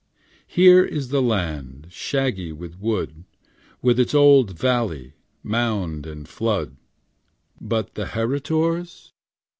'Here is the land, Shaggy with wood, With its old valley, Mound and flood. But the heritors?